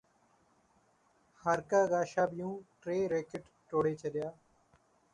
هارڪاغاشابيون ٽي ريڪٽ ٽوڙي ڇڏيا